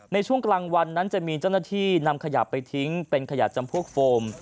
ในช่วงกลางวันนั้นจะมีเจ้าหน้าที่นำขยะไปทิ้งเป็นขยะจำพวกโฟม